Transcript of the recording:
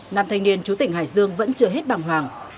nam thanh niên chú tỉnh hải dương vẫn chưa hết bằng hoàng